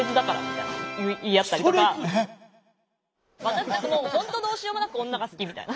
私たちもう本当どうしようもなく女が好きみたいな。